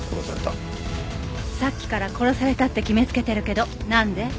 さっきから殺されたって決めつけてるけどなんで？